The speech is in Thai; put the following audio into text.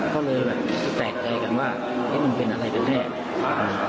ก็เลยแบบแตกใจกันว่านี่มันเป็นอะไรเป็นแรก